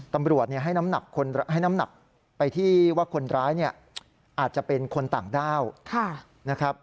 ตำรวจให้น้ำหนักไปที่ว่าคนร้ายเนี่ยอาจจะเป็นคนต่างด้าวนะครับ